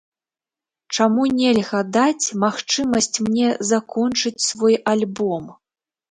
Чаму нельга даць магчымасць мне закончыць свой альбом?